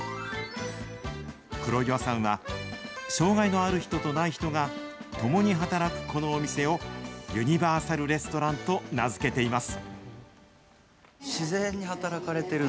黒岩さんは、障害のある人とない人が共に働くこのお店を、ユニバーサルレストランと名付けています。